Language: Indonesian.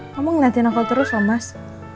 kamu ngeliatin aku terus ya mas